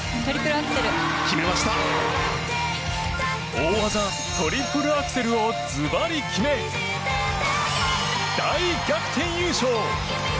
大技トリプルアクセルをズバリ決め、大逆転優勝！